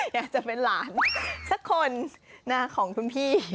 อยากจะเป็นหลานสักคนของคุณพี่